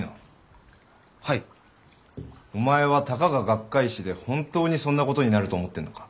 お前はたかが学会誌で本当にそんなことになると思ってるのか？